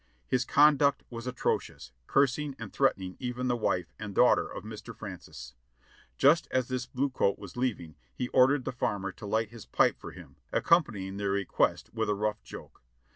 His conduct was atrocious, cursing and threatening even the wife and daughter of Mr. Francis. Just as this blue coat was leaving he ordered the farmer to light his pipe for him, accompanying the request with a rough joke.